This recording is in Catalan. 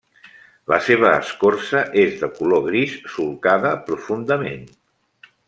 La seva escorça és de color gris, solcada profundament.